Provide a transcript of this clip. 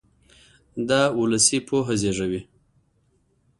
دا اولسي پوهه زېږوي.